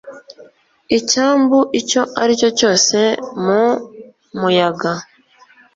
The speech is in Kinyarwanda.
Icyambu icyo ari cyo cyose mu muyaga